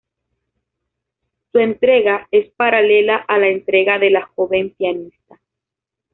Su entrega es paralela a la entrega de la joven pianista.